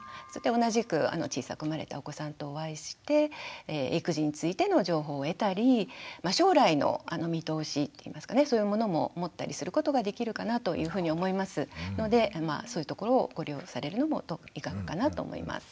同じく小さく生まれたお子さんとお会いして育児についての情報を得たり将来の見通しっていいますかねそういうものも持ったりすることができるかなというふうに思いますのでそういうところをご利用されるのもいかがかなと思います。